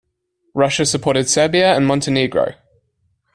Russia supported Serbia and Montenegro.